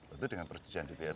itu dengan persetujuan dprd kan